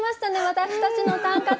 私たちの短歌と。